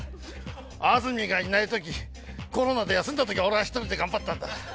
安住がいないとき、コロナで休んだとき俺は１人で頑張ったんだ。